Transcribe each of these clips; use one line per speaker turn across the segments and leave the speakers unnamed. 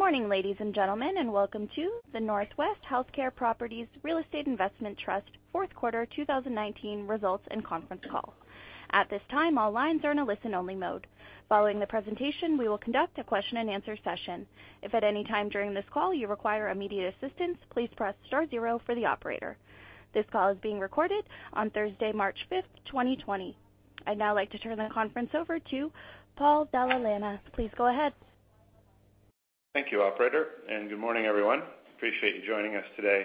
Good morning, ladies and gentlemen, and welcome to the NorthWest Healthcare Properties Real Estate Investment Trust fourth quarter 2019 results and conference call. At this time, all lines are in a listen-only mode. Following the presentation, we will conduct a question and answer session. If at any time during this call you require immediate assistance, please press star zero for the operator. This call is being recorded on Thursday, March 5th, 2020. I'd now like to turn the conference over to Paul Dalla Lana. Please go ahead.
Thank you, operator. Good morning, everyone. Appreciate you joining us today.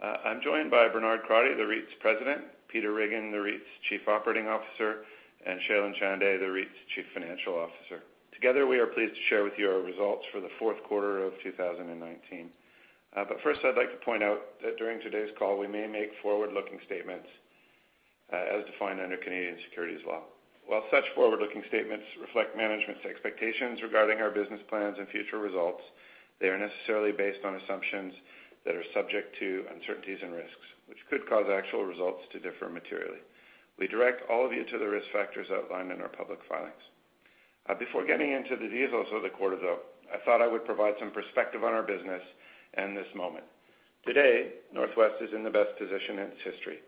I'm joined by Bernard Crotty, the REIT's President, Peter Riggin, the REIT's Chief Operating Officer, and Shailen Chande, the REIT's Chief Financial Officer. Together, we are pleased to share with you our results for the fourth quarter of 2019. First, I'd like to point out that during today's call, we may make forward-looking statements as defined under Canadian securities law. While such forward-looking statements reflect management's expectations regarding our business plans and future results, they are necessarily based on assumptions that are subject to uncertainties and risks, which could cause actual results to differ materially. We direct all of you to the risk factors outlined in our public filings. Before getting into the details of the quarter, though, I thought I would provide some perspective on our business and this moment. Today, NorthWest is in the best position in its history,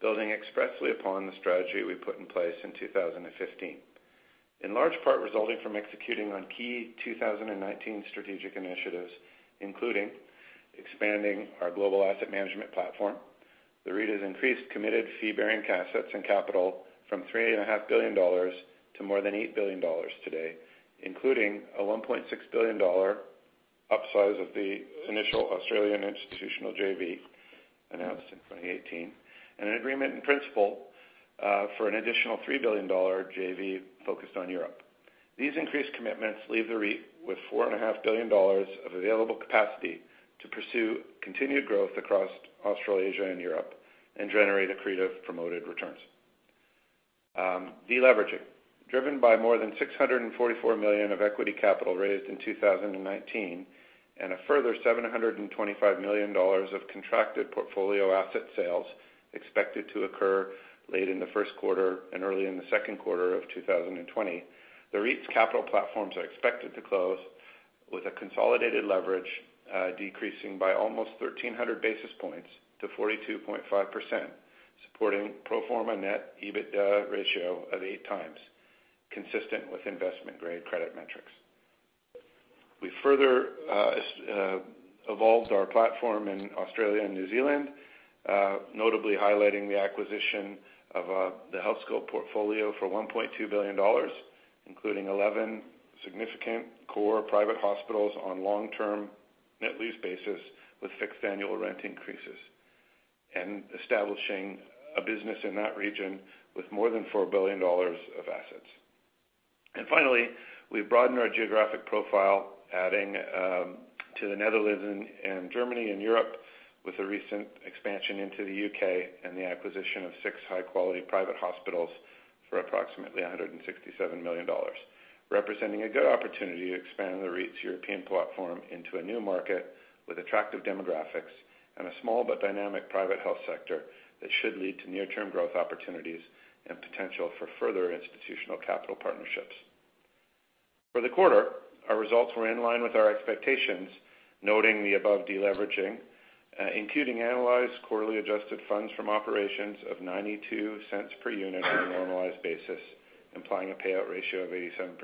building expressly upon the strategy we put in place in 2015. In large part, resulting from executing on key 2019 strategic initiatives, including expanding our global asset management platform. The REIT has increased committed fee-bearing assets and capital from 3.5 billion dollars to more than 8 billion dollars today, including a 1.6 billion dollar upsize of the initial Australian institutional JV announced in 2018, and an agreement in principle, for an additional 3 billion dollar JV focused on Europe. These increased commitments leave the REIT with 4.5 billion dollars of available capacity to pursue continued growth across Australasia and Europe, and generate accretive promoted returns. Deleveraging. Driven by more than 644 million of equity capital raised in 2019 and a further 725 million dollars of contracted portfolio asset sales expected to occur late in the first quarter and early in the second quarter of 2020. The REIT's capital platforms are expected to close with a consolidated leverage, decreasing by almost 1,300 basis points to 42.5%, supporting pro forma net EBITDA ratio of 8x, consistent with investment-grade credit metrics. We further evolved our platform in Australia and New Zealand, notably highlighting the acquisition of the Healthscope portfolio for 1.2 billion dollars, including 11 significant core private hospitals on long-term net lease basis with fixed annual rent increases, and establishing a business in that region with more than 4 billion dollars of assets. Finally, we've broadened our geographic profile, adding to the Netherlands and Germany and Europe with a recent expansion into the U.K. and the acquisition of six high-quality private hospitals for approximately 167 million dollars, representing a good opportunity to expand the REIT's European platform into a new market with attractive demographics and a small but dynamic private health sector that should lead to near-term growth opportunities and potential for further institutional capital partnerships. For the quarter, our results were in line with our expectations, noting the above deleveraging, including annualized quarterly adjusted funds from operations of 0.92 per unit on a normalized basis, implying a payout ratio of 87%.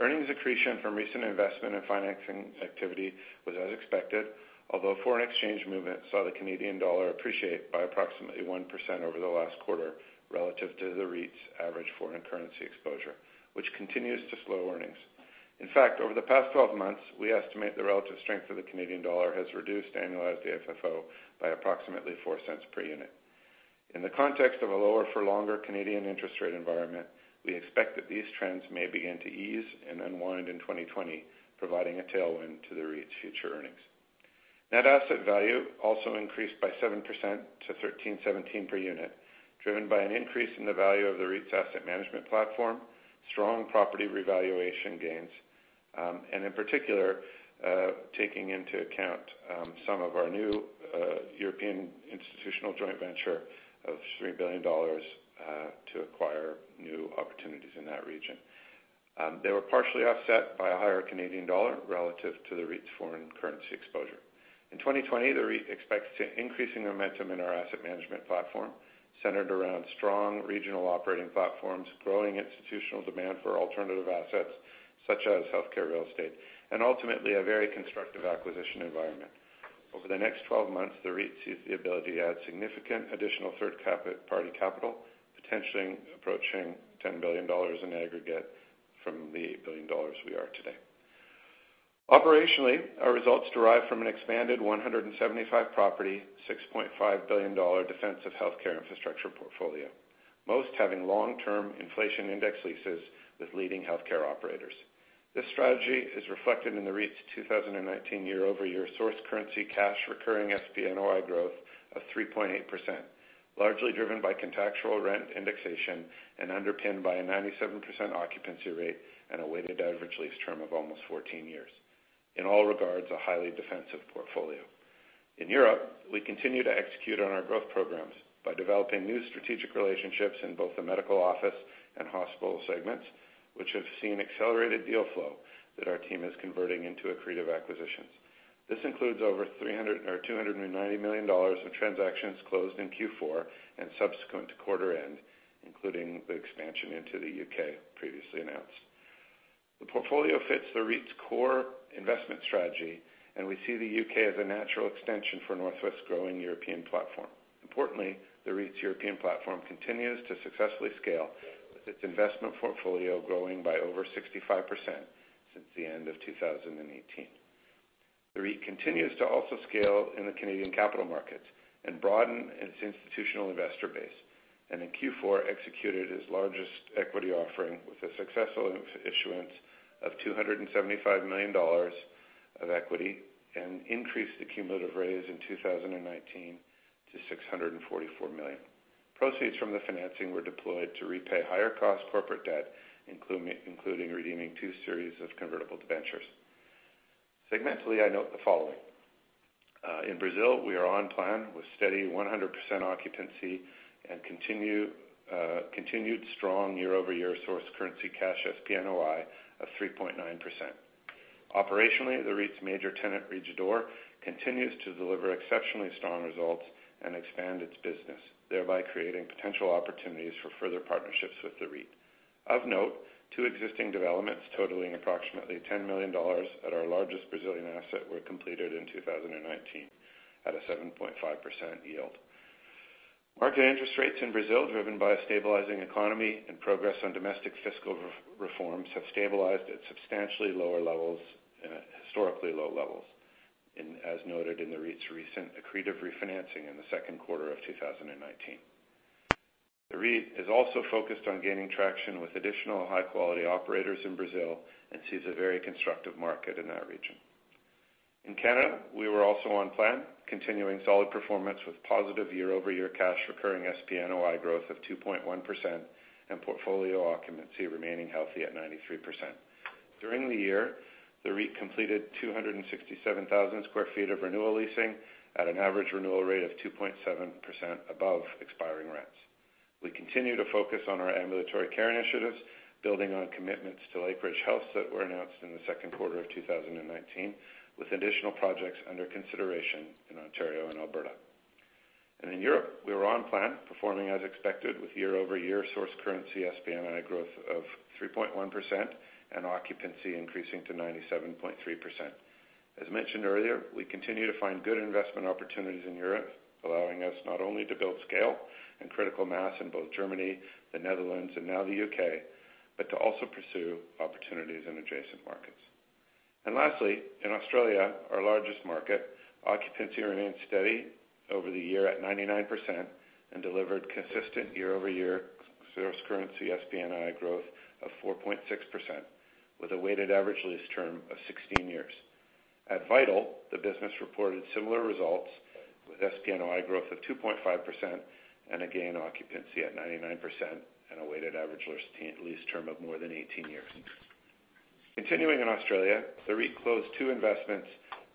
Earnings accretion from recent investment and financing activity was as expected, although foreign exchange movement saw the Canadian dollar appreciate by approximately 1% over the last quarter relative to the REIT's average foreign currency exposure, which continues to slow earnings. Over the past 12 months, we estimate the relative strength of the Canadian dollar has reduced annualized AFFO by approximately 0.04 per unit. In the context of a lower-for-longer Canadian interest rate environment, we expect that these trends may begin to ease and unwind in 2020, providing a tailwind to the REIT's future earnings. Net asset value also increased by 7% to 13.17 per unit, driven by an increase in the value of the REIT's asset management platform, strong property revaluation gains, and in particular, taking into account some of our new European institutional joint venture of 3 billion dollars to acquire new opportunities in that region. They were partially offset by a higher Canadian dollar relative to the REIT's foreign currency exposure. In 2020, the REIT expects increasing momentum in our asset management platform, centered around strong regional operating platforms, growing institutional demand for alternative assets such as healthcare real estate, and ultimately, a very constructive acquisition environment. Over the next 12 months, the REIT sees the ability to add significant additional third-party capital, potentially approaching 10 billion dollars in aggregate from the 8 billion dollars we are today. Operationally, our results derive from an expanded 175 property, 6.5 billion dollar defensive healthcare infrastructure portfolio, most having long-term inflation index leases with leading healthcare operators. This strategy is reflected in the REIT's 2019 year-over-year source currency cash recurring SPNOI growth of 3.8%, largely driven by contractual rent indexation and underpinned by a 97% occupancy rate and a weighted average lease term of almost 14 years. In all regards, a highly defensive portfolio. In Europe, we continue to execute on our growth programs by developing new strategic relationships in both the medical office and hospital segments, which have seen accelerated deal flow that our team is converting into accretive acquisitions. This includes over 290 million dollars of transactions closed in Q4 and subsequent to quarter end, including the expansion into the U.K. previously announced. The portfolio fits the REIT's core investment strategy. We see the U.K. as a natural extension for NorthWest's growing European platform. Importantly, the REIT's European platform continues to successfully scale, with its investment portfolio growing by over 65% since the end of 2018. The REIT continues to also scale in the Canadian capital markets and broaden its institutional investor base, in Q4 executed its largest equity offering with a successful issuance of 275 million dollars of equity and increased the cumulative raise in 2019 to 644 million. Proceeds from the financing were deployed to repay higher cost corporate debt, including redeeming two series of convertible debentures. Segmentally, I note the following. In Brazil, we are on plan with steady 100% occupancy and continued strong year-over-year source currency cash SPNOI of 3.9%. Operationally, the REIT's major tenant, Rede D'Or, continues to deliver exceptionally strong results and expand its business, thereby creating potential opportunities for further partnerships with the REIT. Of note, two existing developments totaling approximately 10 million dollars at our largest Brazilian asset were completed in 2019 at a 7.5% yield. Market interest rates in Brazil, driven by a stabilizing economy and progress on domestic fiscal reforms, have stabilized at substantially lower levels and at historically low levels, as noted in the REIT's recent accretive refinancing in the second quarter of 2019. The REIT is also focused on gaining traction with additional high-quality operators in Brazil and sees a very constructive market in that region. In Canada, we were also on plan, continuing solid performance with positive year-over-year cash recurring SPNOI growth of 2.1% and portfolio occupancy remaining healthy at 93%. During the year, the REIT completed 267,000 sq ft of renewal leasing at an average renewal rate of 2.7% above expiring rents. We continue to focus on our ambulatory care initiatives, building on commitments to Lakeridge Health that were announced in the second quarter of 2019, with additional projects under consideration in Ontario and Alberta. In Europe, we were on plan, performing as expected with year-over-year source currency SPNOI growth of 3.1% and occupancy increasing to 97.3%. As mentioned earlier, we continue to find good investment opportunities in Europe, allowing us not only to build scale and critical mass in both Germany, the Netherlands, and now the U.K., but to also pursue opportunities in adjacent markets. Lastly, in Australia, our largest market, occupancy remained steady over the year at 99% and delivered consistent year-over-year source currency SPNOI growth of 4.6%, with a weighted average lease term of 16 years. At Vital, the business reported similar results with SPNOI growth of 2.5% and a gain occupancy at 99%, and a weighted average lease term of more than 18 years. Continuing in Australia, the REIT closed two investments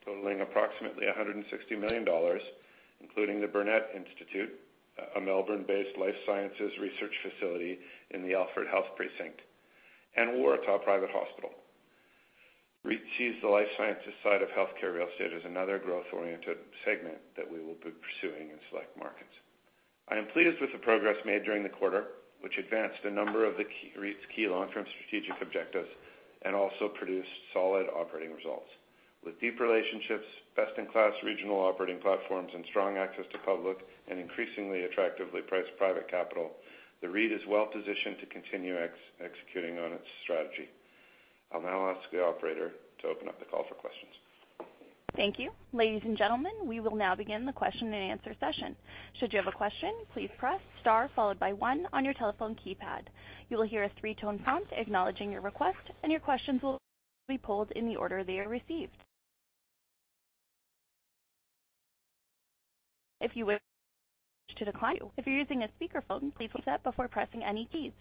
totaling approximately 160 million dollars, including the Burnet Institute, a Melbourne-based life sciences research facility in the Alfred Health Precinct, and Waratah Private Hospital. REIT sees the life sciences side of healthcare real estate as another growth-oriented segment that we will be pursuing in select markets. I am pleased with the progress made during the quarter, which advanced a number of the REIT's key long-term strategic objectives and also produced solid operating results. With deep relationships, best-in-class regional operating platforms, and strong access to public and increasingly attractively priced private capital, the REIT is well positioned to continue executing on its strategy. I'll now ask the operator to open up the call for questions.
Thank you. Ladies and gentlemen, we will now begin the question and answer session. Should you have a question, please press star followed by one on your telephone keypad. You will hear a three-tone prompt acknowledging your request, and your questions will be polled in the order they are received. If you wish to decline, if you're using a speakerphone, please mute that before pressing any keys.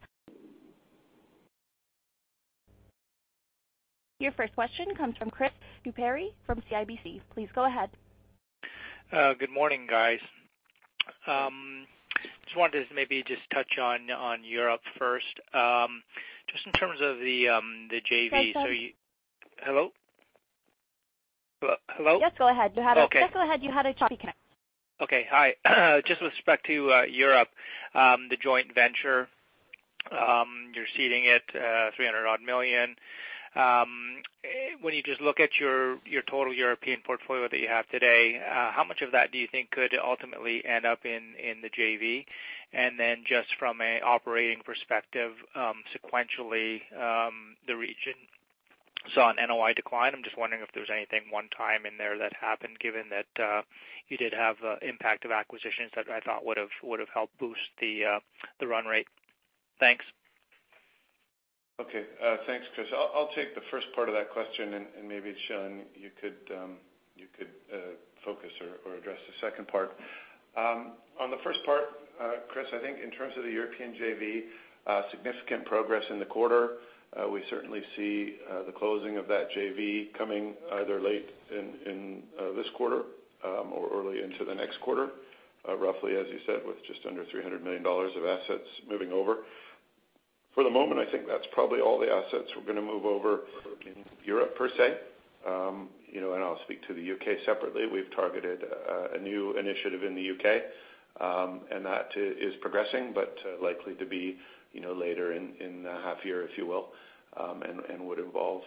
Your first question comes from Chris Couprie from CIBC. Please go ahead.
Good morning, guys. Just wanted to maybe just touch on Europe first. Just in terms of the JV.
Hi.
Hello? Hello?
Yes, go ahead.
Okay.
Just go ahead. You had a choppy connect.
Okay. Hi. Just with respect to Europe, the joint venture, you're seeding it, 300 odd million. When you just look at your total European portfolio that you have today, how much of that do you think could ultimately end up in the JV? Just from an operating perspective, sequentially, the region saw an NOI decline. I'm just wondering if there's anything one-time in there that happened, given that you did have impact of acquisitions that I thought would've helped boost the run rate. Thanks.
Okay, thanks, Chris. I'll take the first part of that question and maybe, Shailen, you could focus or address the second part. On the first part, Chris, I think in terms of the European JV, significant progress in the quarter. We certainly see the closing of that JV coming either late in this quarter or early into the next quarter. Roughly, as you said, with just under 300 million dollars of assets moving over. For the moment, I think that is probably all the assets we are going to move over in Europe, per se. I will speak to the U.K. separately. We have targeted a new initiative in the U.K., and that is progressing, but likely to be later in the half-year, if you will, and would involve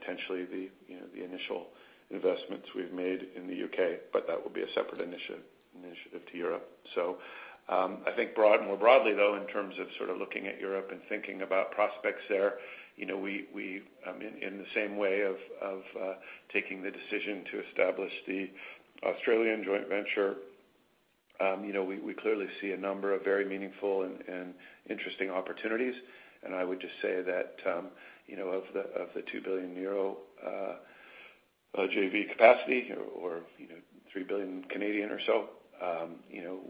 potentially the initial investments we have made in the U.K. That would be a separate initiative to Europe. I think more broadly, though, in terms of looking at Europe and thinking about prospects there, in the same way of taking the decision to establish the Australian joint venture, we clearly see a number of very meaningful and interesting opportunities. I would just say that of the 2 billion euro JV capacity or 3 billion or so,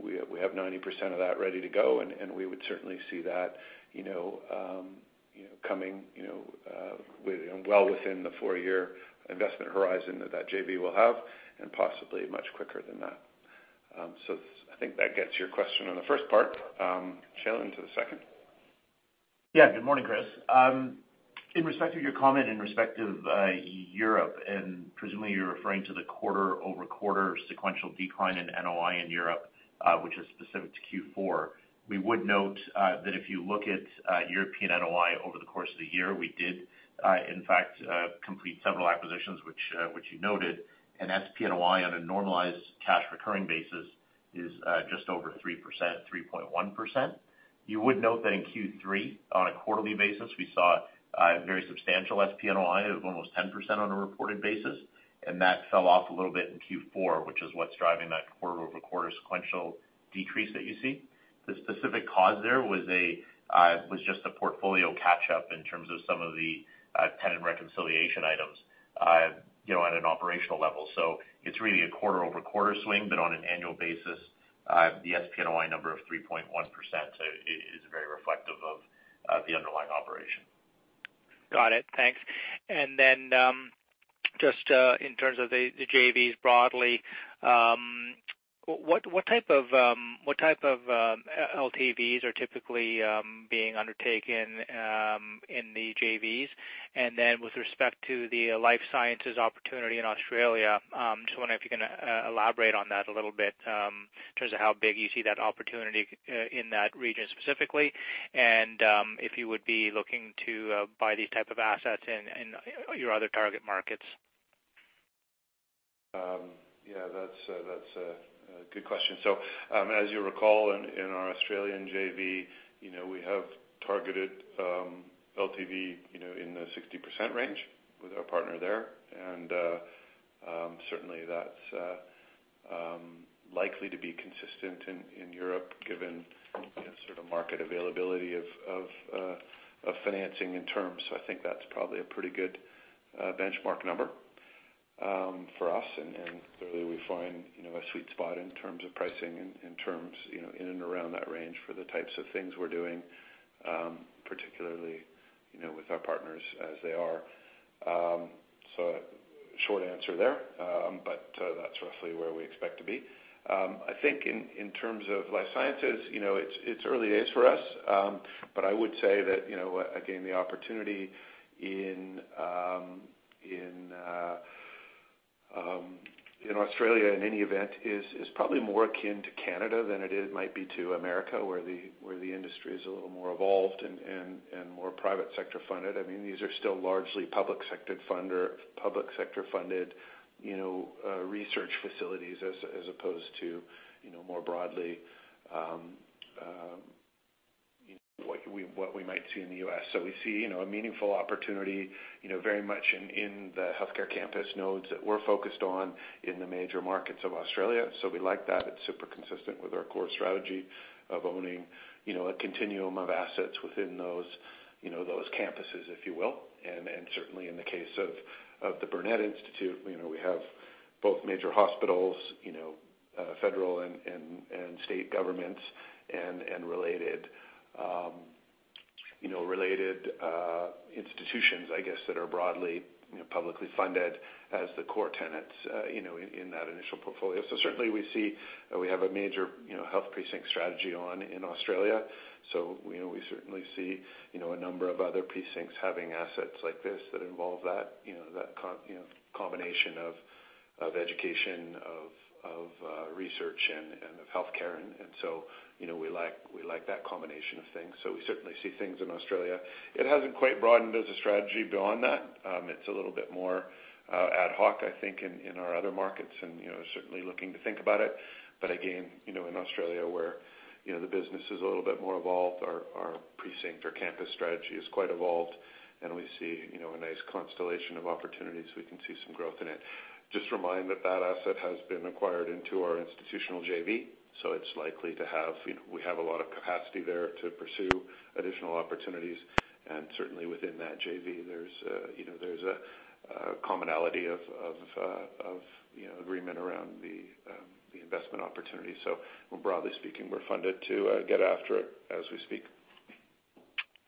we have 90% of that ready to go, and we would certainly see that coming well within the four-year investment horizon that that JV will have and possibly much quicker than that. I think that gets your question on the first part. Shailen, to the second.
Good morning, Chris. In respect of your comment in respect of Europe, presumably you're referring to the quarter-over-quarter sequential decline in NOI in Europe, which is specific to Q4. We would note that if you look at European NOI over the course of the year, we did, in fact, complete several acquisitions, which you noted, SPNOI on a normalized cash recurring basis is just over 3%, 3.1%. You would note that in Q3, on a quarterly basis, we saw a very substantial SPNOI of almost 10% on a reported basis, that fell off a little bit in Q4, which is what's driving that quarter-over-quarter sequential decrease that you see. The specific cause there was just a portfolio catch-up in terms of some of the tenant reconciliation items at an operational level. It's really a quarter-over-quarter swing, but on an annual basis, the SPNOI number of 3.1% is very reflective of the underlying operation.
Got it. Thanks. Then just in terms of the JVs broadly, what type of LTVs are typically being undertaken in the JVs? Then with respect to the life sciences opportunity in Australia, I'm just wondering if you can elaborate on that a little bit in terms of how big you see that opportunity in that region specifically, and if you would be looking to buy these type of assets in your other target markets.
Yeah, that's a good question. As you recall, in our Australian JV, we have targeted LTV in the 60% range with our partner there, and certainly that's likely to be consistent in Europe given sort of market availability of financing in terms. I think that's probably a pretty good benchmark number for us. Clearly we find a sweet spot in terms of pricing in and around that range for the types of things we're doing, particularly with our partners as they are. Short answer there, but that's roughly where we expect to be. I think in terms of life sciences, it's early days for us. I would say that, again, the opportunity in Australia, in any event, is probably more akin to Canada than it might be to America, where the industry is a little more evolved and more private sector funded. I mean, these are still largely public sector funded research facilities as opposed to more broadly what we might see in the U.S. We see a meaningful opportunity very much in the healthcare campus nodes that we're focused on in the major markets of Australia. We like that. It's super consistent with our core strategy of owning a continuum of assets within those campuses, if you will. Certainly in the case of the Burnet Institute, we have both major hospitals, federal and state governments and related institutions, I guess, that are broadly publicly funded as the core tenants in that initial portfolio. Certainly, we see that we have a major health precinct strategy on in Australia. We certainly see a number of other precincts having assets like this that involve that combination of education, of research, and of healthcare. We like that combination of things. We certainly see things in Australia. It hasn't quite broadened as a strategy beyond that. It's a little bit more ad hoc, I think, in our other markets and certainly looking to think about it. Again, in Australia where the business is a little bit more evolved, our precinct, our campus strategy is quite evolved, and we see a nice constellation of opportunities. We can see some growth in it. Just remind that that asset has been acquired into our institutional JV, so we have a lot of capacity there to pursue additional opportunities. Certainly within that JV, there's a commonality of agreement around the investment opportunity. More broadly speaking, we're funded to get after it as we speak.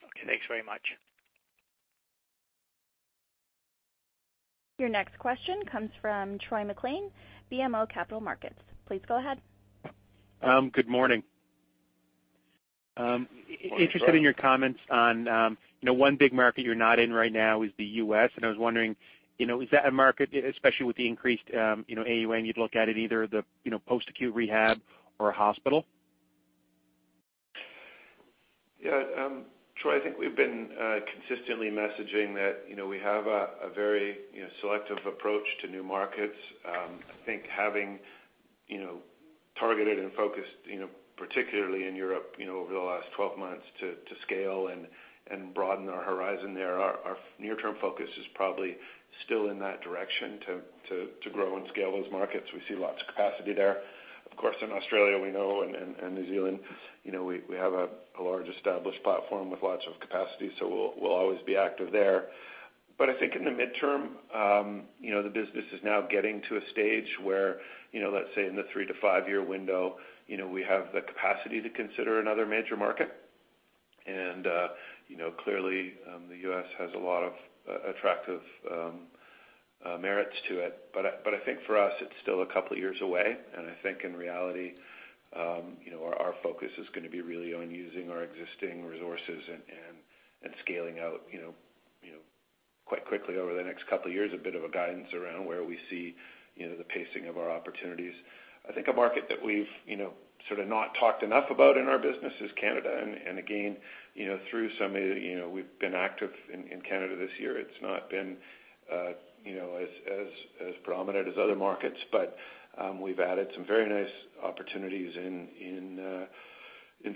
Okay, thanks very much.
Your next question comes from Troy MacLean, BMO Capital Markets. Please go ahead.
Good morning.
Morning, Troy.
Interested in your comments on one big market you're not in right now is the U.S., and I was wondering, is that a market, especially with the increased AUM, and you'd look at it either the post-acute rehab or a hospital?
Yeah. Troy, I think we've been consistently messaging that we have a very selective approach to new markets. I think having targeted and focused, particularly in Europe over the last 12 months, to scale and broaden our horizon there, our near-term focus is probably still in that direction to grow and scale those markets. We see lots of capacity there. Of course, in Australia we know, and New Zealand, we have a large established platform with lots of capacity, so we'll always be active there. I think in the midterm, the business is now getting to a stage where, let's say in the three to five-year window, we have the capacity to consider another major market. Clearly, the U.S. has a lot of attractive merits to it. I think for us, it's still a couple of years away, and I think in reality our focus is going to be really on using our existing resources and scaling out quite quickly over the next couple of years, a bit of a guidance around where we see the pacing of our opportunities. I think a market that we've sort of not talked enough about in our business is Canada, and again, through Summit, we've been active in Canada this year. It's not been as prominent as other markets, but we've added some very nice opportunities in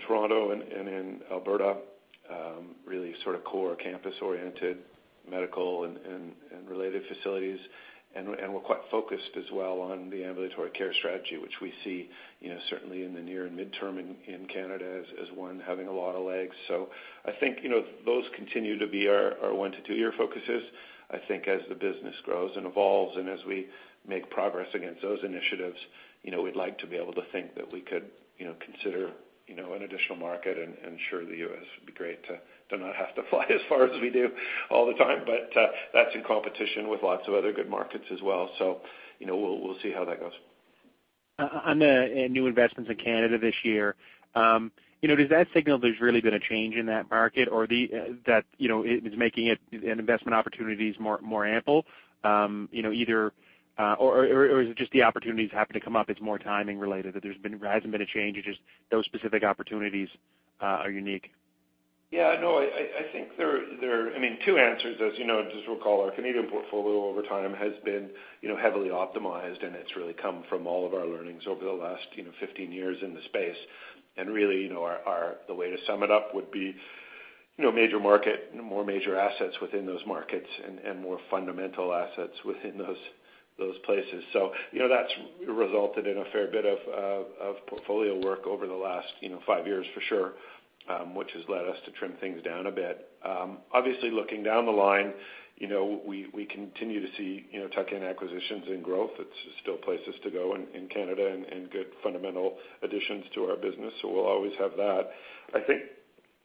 Toronto and in Alberta, really sort of core campus-oriented medical and related facilities. We're quite focused as well on the ambulatory care strategy, which we see certainly in the near and midterm in Canada as one having a lot of legs. I think those continue to be our one to two-year focuses. I think as the business grows and evolves and as we make progress against those initiatives, we'd like to be able to think that we could consider an additional market, and sure, the U.S. would be great to not have to fly as far as we do all the time. That's in competition with lots of other good markets as well. We'll see how that goes.
On the new investments in Canada this year, does that signal there's really been a change in that market or that it is making it an investment opportunity is more ample? Or is it just the opportunities happen to come up, it's more timing related, that there hasn't been a change, it's just those specific opportunities are unique?
Yeah. I think there are two answers. As you know, just recall our Canadian portfolio over time has been heavily optimized. It's really come from all of our learnings over the last 15 years in the space. Really, the way to sum it up would be major market, more major assets within those markets and more fundamental assets within those places. That's resulted in a fair bit of portfolio work over the last five years, for sure, which has led us to trim things down a bit. Obviously, looking down the line, we continue to see tuck-in acquisitions and growth. It's still places to go in Canada and good fundamental additions to our business. We'll always have that. I think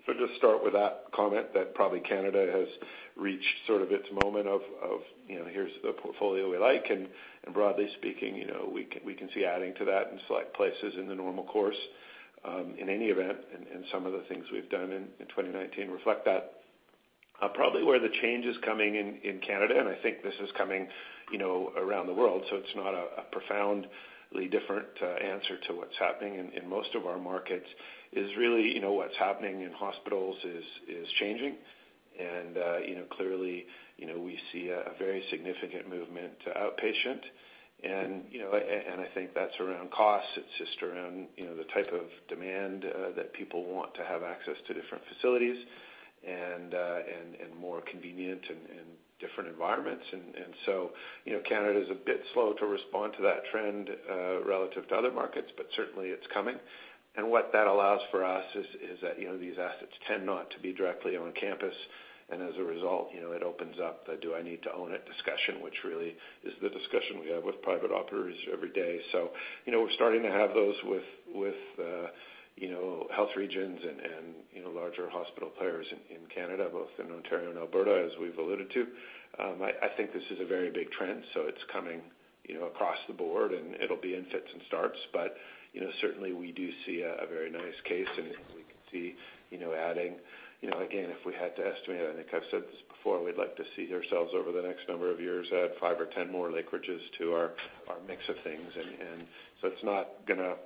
I'll just start with that comment that probably Canada has reached sort of its moment of here's the portfolio we like. Broadly speaking, we can see adding to that in select places in the normal course in any event, and some of the things we've done in 2019 reflect that. Probably where the change is coming in Canada, and I think this is coming around the world, so it's not a profoundly different answer to what's happening in most of our markets is really what's happening in hospitals is changing. Clearly, we see a very significant movement to outpatient, and I think that's around cost. It's just around the type of demand that people want to have access to different facilities and more convenient and different environments. Canada's a bit slow to respond to that trend relative to other markets, but certainly, it's coming. What that allows for us is that these assets tend not to be directly on campus, and as a result, it opens up the do I need to own it discussion, which really is the discussion we have with private operators every day. So, we're starting to have those with health regions and larger hospital players in Canada, both in Ontario and Alberta, as we've alluded to. I think this is a very big trend. Certainly, we do see a very nice case, and we could see adding. Again, if we had to estimate, I think I've said this before, we'd like to see ourselves over the next number of years add five or 10 more Lakeridges to our mix of things. It's not going to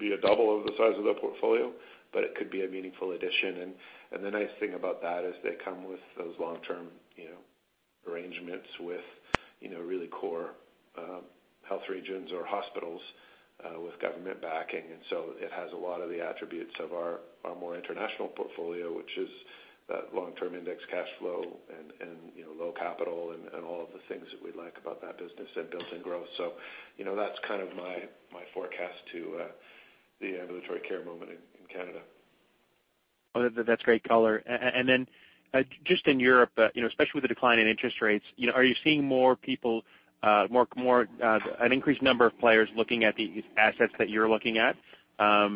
be a double of the size of the portfolio, but it could be a meaningful addition. The nice thing about that is they come with those long-term arrangements with really core health regions or hospitals with government backing. It has a lot of the attributes of our more international portfolio, which is that long-term index cash flow and low capital and all of the things that we like about that business and built-in growth. That's kind of my forecast to the ambulatory care moment in Canada.
That's great color. Just in Europe, especially with the decline in interest rates, are you seeing an increased number of players looking at the assets that you're looking at? I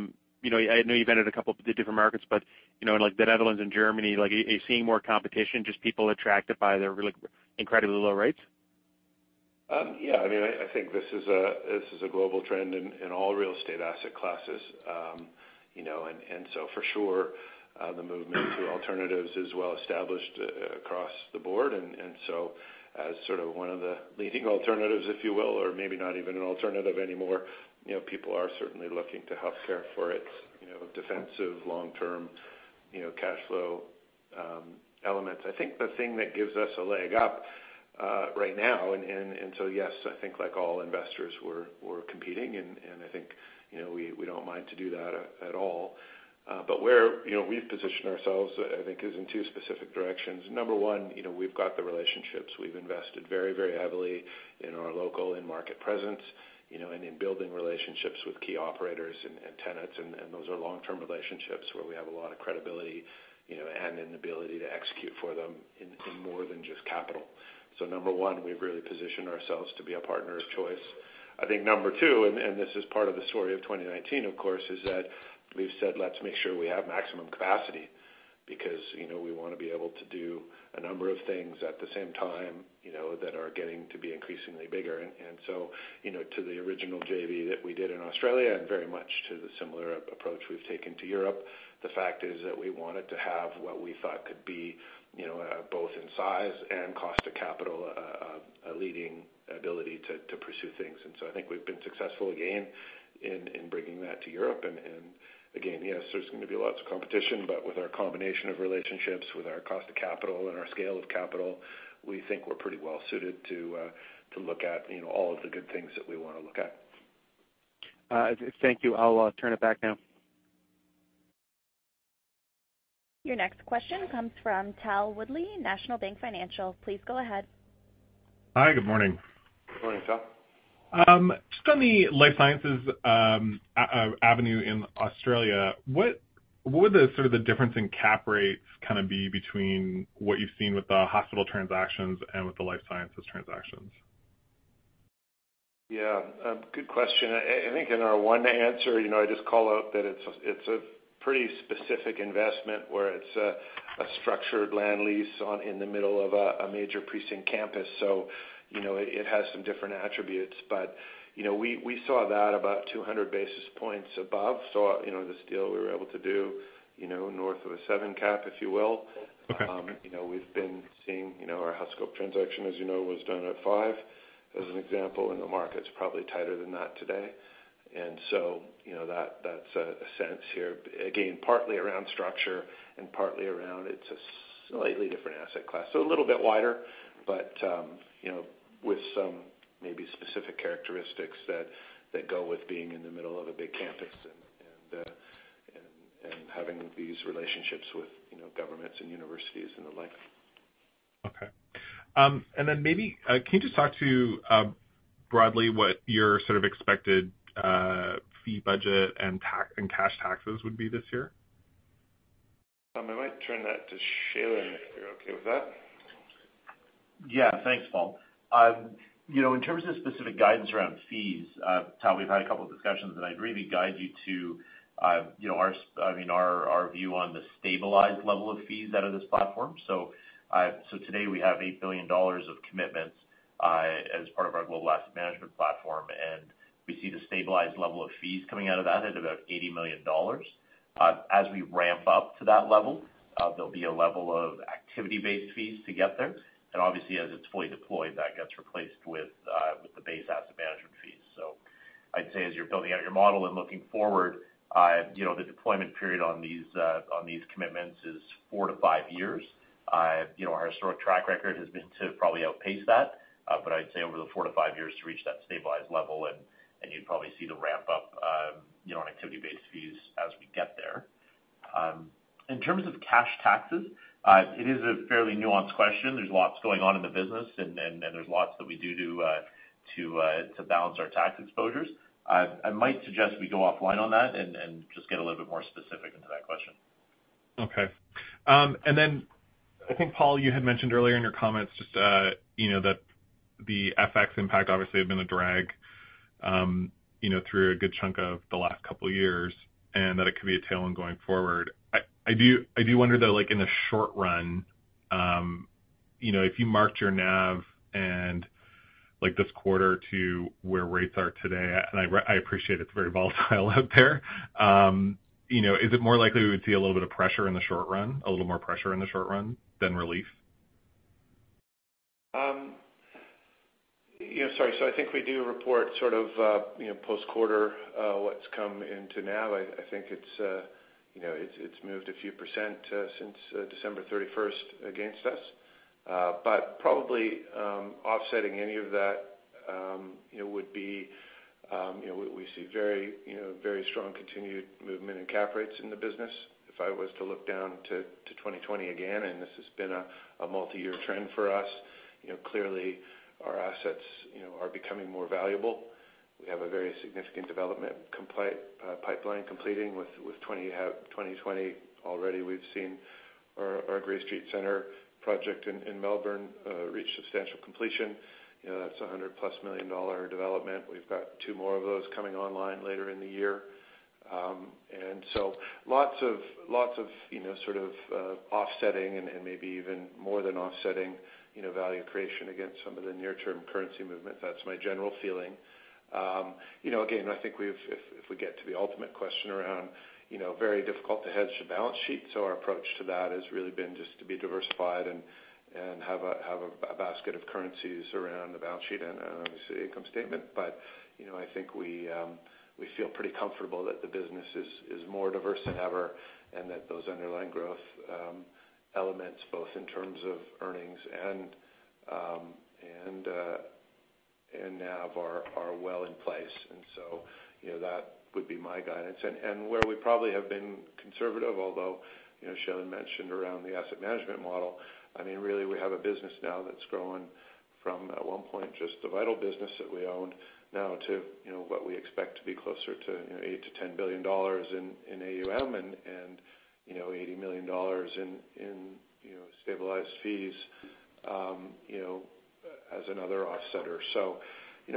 know you've entered a couple of different markets, but in the Netherlands and Germany, are you seeing more competition, just people attracted by their incredibly low rates?
Yeah. I think this is a global trend in all real estate asset classes. For sure, the movement to alternatives is well established across the board. As sort of one of the leading alternatives, if you will, or maybe not even an alternative anymore, people are certainly looking to healthcare for its defensive long-term, cash flow elements. I think the thing that gives us a leg up right now, yes, I think like all investors, we're competing, and I think we don't mind to do that at all. Where we've positioned ourselves, I think is in two specific directions. Number one, we've got the relationships. We've invested very heavily in our local and market presence, and in building relationships with key operators and tenants. Those are long-term relationships where we have a lot of credibility, and an ability to execute for them in more than just capital. Number one, we've really positioned ourselves to be a partner of choice. I think number two, and this is part of the story of 2019, of course, is that we've said let's make sure we have maximum capacity because we want to be able to do a number of things at the same time, that are getting to be increasingly bigger. To the original JV that we did in Australia and very much to the similar approach we've taken to Europe, the fact is that we wanted to have what we thought could be both in size and cost of capital, a leading ability to pursue things. I think we've been successful again in bringing that to Europe. Again, yes, there's going to be lots of competition, but with our combination of relationships, with our cost of capital and our scale of capital, we think we're pretty well suited to look at all of the good things that we want to look at.
Thank you. I'll turn it back now.
Your next question comes from Tal Woolley, National Bank Financial. Please go ahead.
Hi, good morning.
Good morning, Tal.
Just on the life sciences avenue in Australia, what would the sort of the difference in cap rates kind of be between what you've seen with the hospital transactions and with the life sciences transactions?
Good question. I think in our one answer, I just call out that it's a pretty specific investment where it's a structured land lease in the middle of a major precinct campus. It has some different attributes. We saw that about 200 basis points above. This deal we were able to do north of a seven cap, if you will.
Okay.
We've been seeing our Healthscope transaction, as you know, was done at five as an example, and the market's probably tighter than that today. That's a sense here. Again, partly around structure and partly around, it's a slightly different asset class. A little bit wider, but with some maybe specific characteristics that go with being in the middle of a big campus and having these relationships with governments and universities and the like.
Okay. Maybe, can you just talk to broadly what your sort of expected fee budget and cash taxes would be this year?
I might turn that to Shailen, if you're okay with that.
Yeah. Thanks, Paul. In terms of specific guidance around fees, Tal, we've had a couple of discussions, and I'd really guide you to our view on the stabilized level of fees out of this platform. Today we have 8 billion dollars of commitments as part of our global asset management platform, and we see the stabilized level of fees coming out of that at about 80 million dollars. As we ramp up to that level, there'll be a level of activity-based fees to get there. Obviously as it's fully deployed, that gets replaced with the base asset management fees. I'd say as you're building out your model and looking forward, the deployment period on these commitments is 4 to 5 years. Our historic track record has been to probably outpace that. I'd say over the 4 to 5 years to reach that stabilized level and you'd probably see the ramp up on activity-based fees as we get there. In terms of cash taxes, it is a fairly nuanced question. There's lots going on in the business and there's lots that we do to balance our tax exposures. I might suggest we go offline on that and just get a little bit more specific into that question.
Okay. I think, Paul, you had mentioned earlier in your comments just that the FX impact obviously had been a drag through a good chunk of the last couple of years, and that it could be a tailwind going forward. I do wonder, though, like in the short run, if you marked your NAV and like this quarter to where rates are today, and I appreciate it's very volatile out there is it more likely we would see a little bit of pressure in the short run, a little more pressure in the short run than relief?
Sorry. I think we do report sort of post-quarter what's come into now. I think it's moved a few percent since December 31st against us. Probably offsetting any of that would be we see very strong continued movement in cap rates in the business. If I was to look down to 2020 again, this has been a multi-year trend for us, clearly our assets are becoming more valuable. We have a very significant development pipeline completing with 2020. Already we've seen our Grey Street Centre project in Melbourne reach substantial completion. That's a 100 million dollar+ development. We've got two more of those coming online later in the year. Lots of offsetting and maybe even more than offsetting value creation against some of the near-term currency movement. That's my general feeling. I think if we get to the ultimate question around very difficult to hedge the balance sheet. Our approach to that has really been just to be diversified and have a basket of currencies around the balance sheet and obviously income statement. I think we feel pretty comfortable that the business is more diverse than ever, and that those underlying growth elements, both in terms of earnings and NAV are well in place. That would be my guidance. Where we probably have been conservative, although, Shailen mentioned around the asset management model, really we have a business now that's grown from, at one point, just the Vital business that we owned now to what we expect to be closer to 8 billion-10 billion dollars in AUM and 80 million dollars in stabilized fees as another offsetter.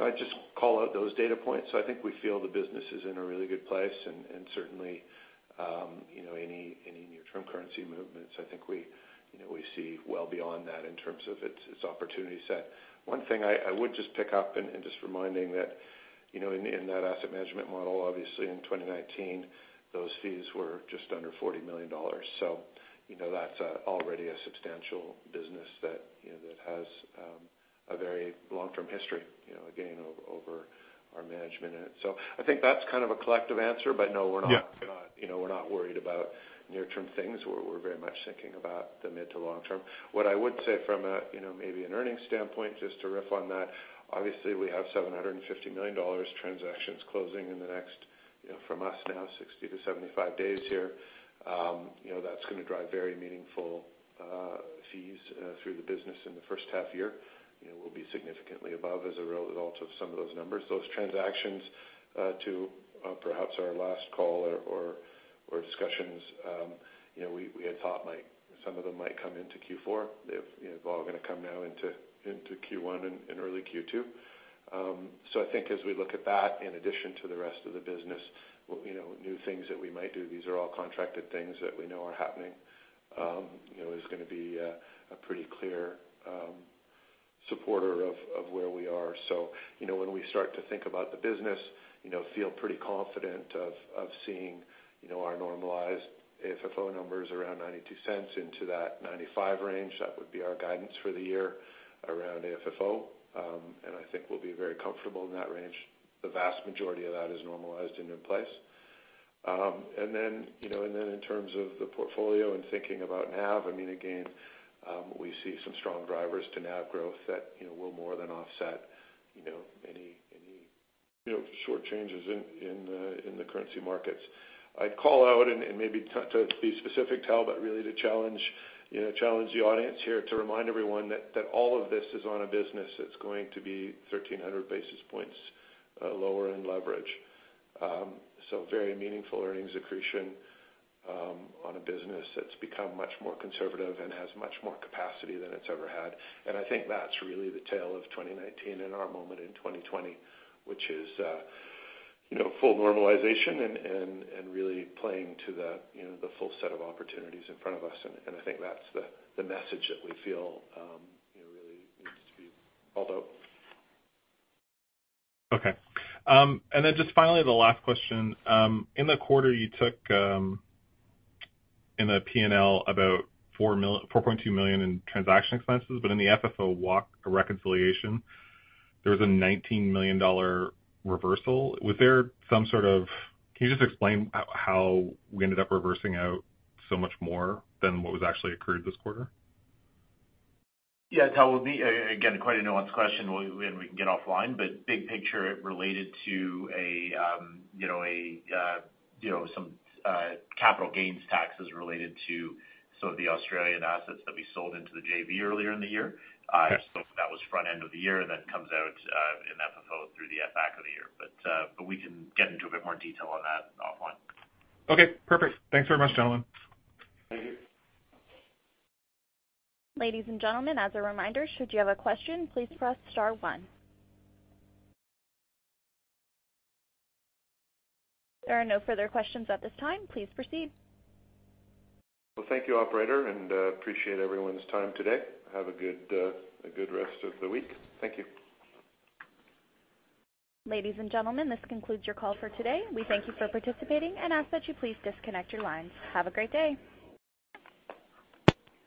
I'd just call out those data points. I think we feel the business is in a really good place, certainly, any near-term currency movements, I think we see well beyond that in terms of its opportunity set. One thing I would just pick up and just reminding that in that asset management model, obviously in 2019, those fees were just under 40 million dollars. That's already a substantial business that has a very long-term history again, over our management in it. I think that's kind of a collective answer. No, we're not worried about near-term things. We're very much thinking about the mid to long-term. What I would say from a maybe an earnings standpoint, just to riff on that, obviously we have 750 million dollars transactions closing in the next, from us now, 60 -75 days here. That's going to drive very meaningful fees through the business in the first half year. We'll be significantly above as a result of some of those numbers. Those transactions to perhaps our last call or discussions, we had thought some of them might come into Q4. They're all going to come now into Q1 and early Q2. I think as we look at that, in addition to the rest of the business, new things that we might do, these are all contracted things that we know are happening. It's going to be a pretty clear supporter of where we are. When we start to think about the business, feel pretty confident of seeing our normalized AFFO numbers around 0.92-0.95. That would be our guidance for the year around AFFO. I think we'll be very comfortable in that range. The vast majority of that is normalized and in place. In terms of the portfolio and thinking about NAV, again, we see some strong drivers to NAV growth that will more than offset any short changes in the currency markets. I'd call out and maybe to be specific, Tal, but really to challenge the audience here to remind everyone that all of this is on a business that's going to be 1,300 basis points lower in leverage. Very meaningful earnings accretion on a business that's become much more conservative and has much more capacity than it's ever had. I think that's really the tale of 2019 and our moment in 2020, which is full normalization and really playing to the full set of opportunities in front of us. I think that's the message that we feel really needs to be called out.
Okay. Just finally, the last question. In the quarter you took, in the P&L about 4.2 million in transaction expenses, but in the FFO walk reconciliation, there was a 19 million dollar reversal. Can you just explain how we ended up reversing out so much more than what was actually accrued this quarter?
Tal, it would be, again, quite a nuanced question. We can get offline. Big picture, it related to some capital gains taxes related to some of the Australian assets that we sold into the JV earlier in the year.
Okay.
That was front end of the year and then comes out in FFO through the back of the year. We can get into a bit more detail on that offline.
Okay, perfect. Thanks very much, gentlemen.
Ladies and gentlemen, as a reminder, should you have a question, please press star one. There are no further questions at this time. Please proceed.
Well, thank you, operator, and appreciate everyone's time today. Have a good rest of the week. Thank you.
Ladies and gentlemen, this concludes your call for today. We thank you for participating and ask that you please disconnect your lines. Have a great day.